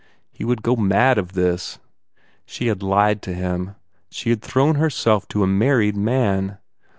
He would go mad of this! She had lied to him. She had thrown herself to a married man.